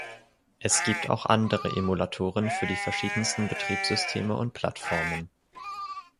Es gibt auch andere Emulatoren für die verschiedensten Betriebssysteme und Plattformen.